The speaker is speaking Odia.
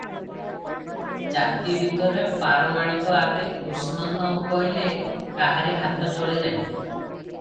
ଜାତିଭାତରେ ପରମାଣିକ ଆଗେ କୃଷ୍ଣ ନ କଲେ କାହାରି ହାତ ଚଳେ ନାହିଁ ।